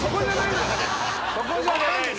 そこじゃないです。